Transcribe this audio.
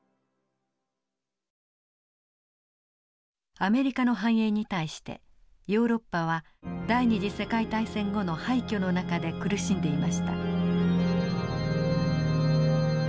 アメリカの繁栄に対してヨーロッパは第二次世界大戦後の廃虚の中で苦しんでいました。